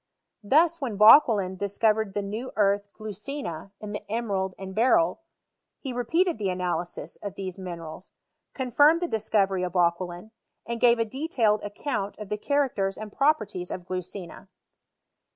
Thus, when Vauquelin discovered the new earth glticina, in the emerald and beryl, he repeated the analysis of these minerals, confirmed the discovery of Vauquelin, and gave a detailed ac count of the characters and properties of glucina.